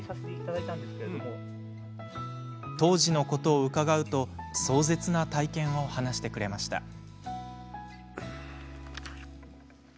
当時のことを伺うと壮絶な体験を話してくれました。